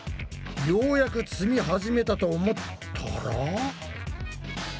ようやく積み始めたと思ったら。